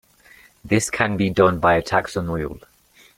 This can be done by a tax on oil.